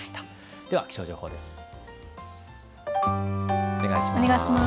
では気象情報です。